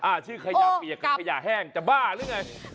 ชื่อขยะเปียกกับขยะแห้งจะบ้าหรือไง